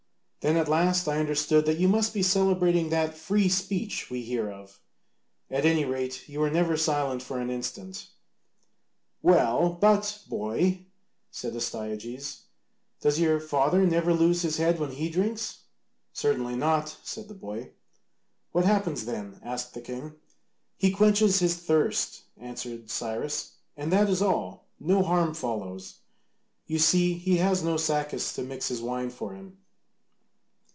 Then at last I understood that you must be celebrating that 'free speech' we hear of; at any rate, you were never silent for an instant." "Well, but, boy," said Astyages, "does your father never lose his head when he drinks?" "Certainly not," said the boy. "What happens then?" asked the king. "He quenches his thirst," answered Cyrus, "and that is all. No harm follows. You see, he has no Sacas to mix his wine for him."